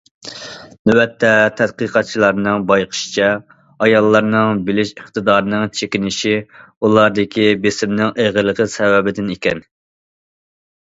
نۆۋەتتە تەتقىقاتچىلارنىڭ بايقىشىچە، ئاياللارنىڭ بىلىش ئىقتىدارىنىڭ چېكىنىشى ئۇلاردىكى بېسىمنىڭ ئېغىرلىقى سەۋەبىدىن ئىكەن.